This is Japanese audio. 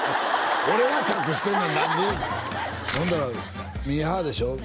俺が隠してんのに何で言うねんほんだらミーハーでしょ？